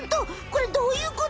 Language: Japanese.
これどういうこと！？